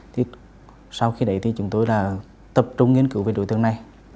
thì sau khi đấy thì chúng tôi là tập trung nghiên cứu về đối tượng này